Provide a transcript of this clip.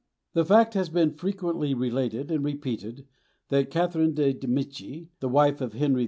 The fact has been frequently related and repeated, that Catherine de Medici, the wife of Henry II.